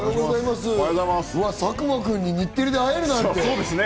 うわ、佐久間君に日テレで会えるなんて。